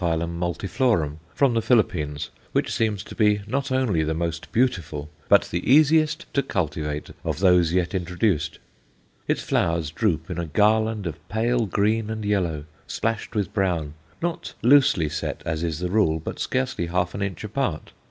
multiflorum_ from the Philippines, which seems to be not only the most beautiful, but the easiest to cultivate of those yet introduced. Its flowers droop in a garland of pale green and yellow, splashed with brown, not loosely set, as is the rule, but scarcely half an inch apart.